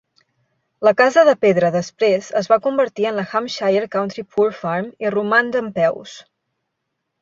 La casa de pedra després es va convertir en la Hampshire County Poor Farm i roman dempeus.